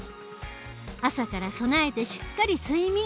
朝から備えてしっかり睡眠。